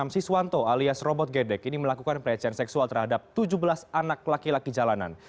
siswanto alias robot gedek ini melakukan pelecehan seksual terhadap tujuh belas anak laki laki jalanan